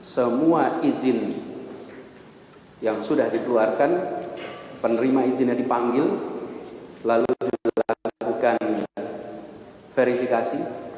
semua izin yang sudah dikeluarkan penerima izinnya dipanggil lalu dilakukan verifikasi